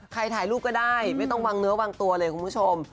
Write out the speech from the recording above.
ถ่ายรูปก็ได้ไม่ต้องวางเนื้อวางตัวเลยคุณผู้ชม